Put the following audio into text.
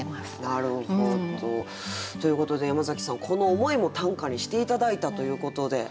なるほど。ということで山崎さんこの思いも短歌にして頂いたということでご紹介